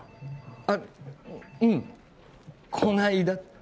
あっうんこないだ